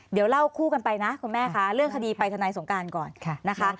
เดี๋ยวเล่าคู่กันไปนะคุณแม่คะเรื่องคดีไปทนายสงการก่อนนะคะ